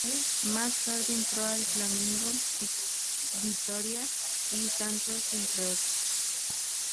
Más tarde entrenó al Flamengo, Vitória y Santos entre otros.